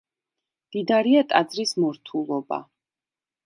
მდიდარია ტაძრის მორთულობა.